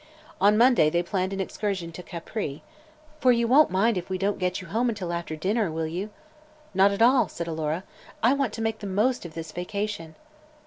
On Monday they planned an excursion to Capri, "For you won't mind if we don't get you home until after dinner, will you?" asked Mary Louise. "Not at all," said Alora. "I want to make the most of this vacation."